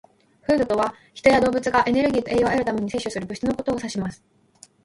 "Food" とは、人や動物がエネルギーと栄養を得るために摂取する物質のことを指します。